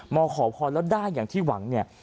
มาขอพรแล้วได้อย่างที่หวังเนี่ย